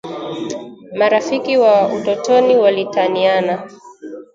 Marafiki wa utotoni walitaniana